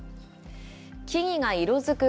木々が色づく